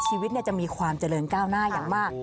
ชีวิตจะมีความเจริญก้าวหน้าอย่างมาก